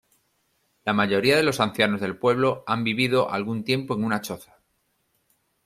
La mayoría de los ancianos del pueblo han vivido algún tiempo en una choza.